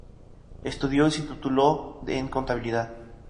Estudió y se tituló en contabilidad.